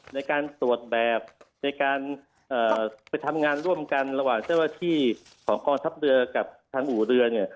ในการตรวจแบบในการไปทำงานร่วมกันระหว่างเจ้าหน้าที่ของกองทัพเรือกับทางอู่เรือเนี่ย